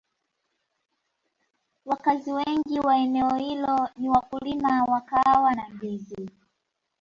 wakazi wengi wa eneo hilo ni wakulima wa kahawa na ndizi